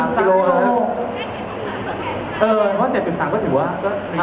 ๗๓พิโลก็ถือว่า